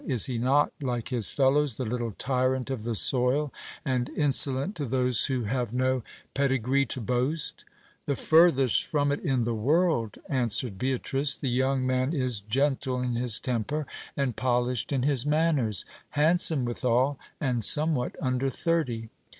Is he not, like his fellows, the little tyrant of the soil, and insolent to those who have no pedi gree to boast ? The furthest from it in the world, answered Beatrice ; the young man is gentle in his temper and polished in his manners ; handsome withal, and somewhat under thirty.